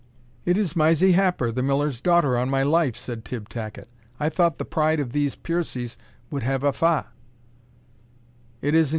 "It is Mysie Happer, the Miller's daughter, on my life!" said Tibb Tacket. "I thought the pride of these Piercies would have a fa'."